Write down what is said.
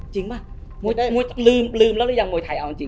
จริงป่ะลืมแล้วหรือยังมวยไทยเอาจริง